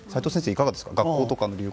いかがですか。